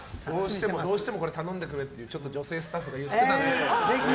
どうしてもこれ頼んでくれって女性スタッフが言ってたので。